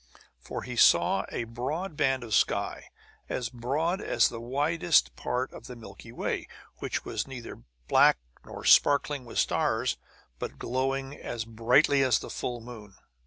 For he saw a broad band of sky, as broad as the widest part of the Milky Way, which was neither black nor sparkling with stars, but glowing as brightly as the full moon!